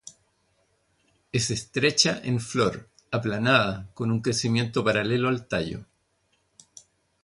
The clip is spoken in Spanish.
Es estrecha en flor, aplanada, con un crecimiento paralelo al tallo.